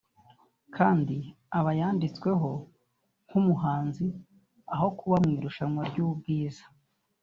kandi aba yanditsweho nk’umuhanzi aho kuba mu irushanwa ry’ubwiza